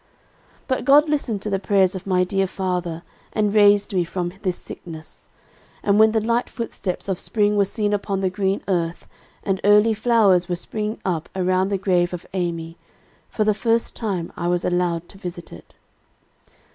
"But God listened to the prayers of my dear father, and raised me from this sickness. And when the light footsteps of spring were seen upon the green earth, and early flowers were springing up around the grave of Amy, for the first time, I was allowed to visit it.